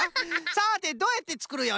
さてどうやってつくるよ？